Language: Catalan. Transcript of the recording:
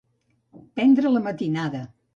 Prendre la matinada.